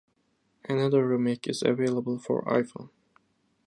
Another remake is available for iPhone.